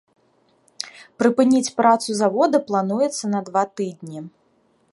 Прыпыніць працу завода плануецца на два тыдні.